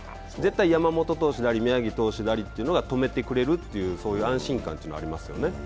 山本投手であり宮城投手が止めてくれるっていう安心感というのがありますよね。